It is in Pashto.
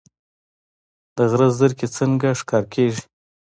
د غره زرکې څنګه ښکار کیږي؟